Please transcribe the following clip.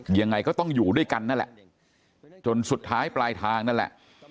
ยังไงก็ต้องอยู่ด้วยกันนั่นแหละจนสุดท้ายปลายทางนั่นแหละ